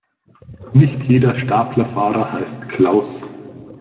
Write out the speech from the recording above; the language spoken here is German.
Nicht jeder Staplerfahrer heißt Klaus.